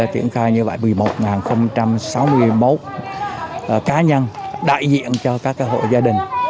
triển khai như vậy một mươi một sáu mươi một cá nhân đại diện cho các hộ gia đình